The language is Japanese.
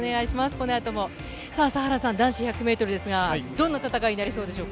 朝原さん、男子１００ｍですが、どんな戦いになりそうでしょうか？